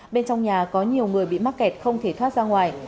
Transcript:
bên trong nhà có nhiều người bị mắc kẹt không thể thoát ra ngoài